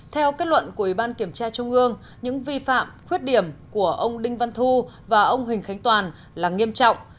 theo kết luận của ủy ban kiểm tra trung ương những vi phạm khuyết điểm của ông đinh văn thu và ông huỳnh khánh toàn là nghiêm trọng